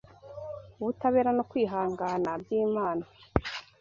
ubutabera no kwihangana by’Imana